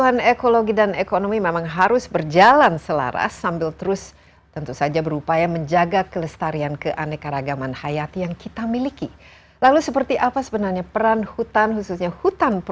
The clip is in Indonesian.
hai terima kasih adalah hal utama dari asir se visibleétique agust werk lift